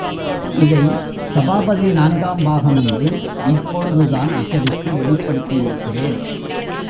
இதை சபாபதி நான்காம் பாகம் என்று இப்பொழுதுதான் அச்சடித்து வெளிப்படுத்தியிருக்கிறேன்.